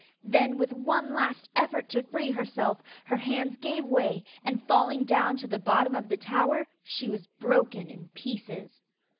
Then, with one last effort to free herself, her hands gave way, and, falling down to the bottom of the tower, she was broken in pieces.